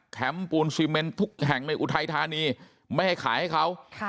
ปูนซีเมนทุกแห่งในอุทัยธานีไม่ให้ขายให้เขา